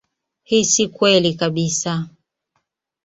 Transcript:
Hii si kweli kabisa.